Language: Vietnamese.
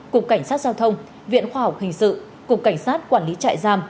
cục cảnh sát giao thông viện khoa học hình sự cục cảnh sát quản lý trại giam